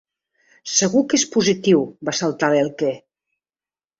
Segur que és positiu —va saltar l'Elke—.